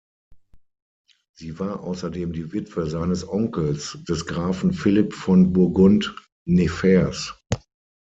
Sie war außerdem die Witwe seines Onkels, des Grafen Philipp von Burgund-Nevers.